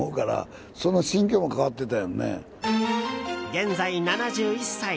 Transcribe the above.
現在７１歳。